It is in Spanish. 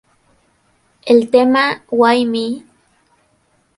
El tema "Why Me?